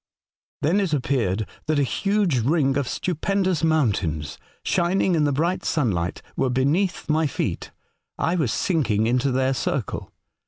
*?^" Then it appeared that a huge ring of stupen dous mountains, shining in the bright sunlight, were beneath my feet : I was sinking into their circle.